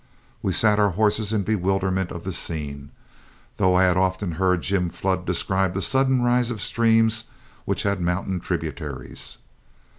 We sat our horses in bewilderment of the scene, though I had often heard Jim Flood describe the sudden rise of streams which had mountain tributaries.